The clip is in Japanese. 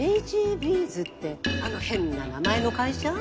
ＪＧＶｓってあの変な名前の会社？